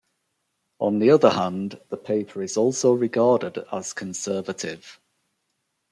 On the other hand, the paper is also regarded as conservative.